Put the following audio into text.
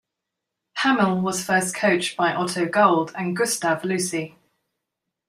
Hamill was first coached by Otto Gold and Gustave Lussi.